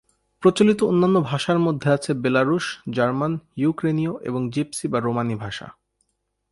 প্রচলিত অন্যান্য ভাষার মধ্যে আছে বেলারুশ, জার্মান, ইউক্রেনীয়, এবং জিপসি বা রোমানি ভাষা।